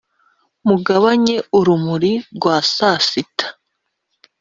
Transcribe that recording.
mugabanye urumuri rwa sasita,